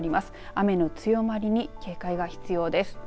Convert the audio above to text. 雨の強まりに警戒が必要です。